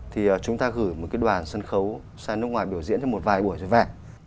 thì chúng ta gửi một cái đoàn sân khấu sang nước ngoài biểu diễn cho một vài buổi rồi vàng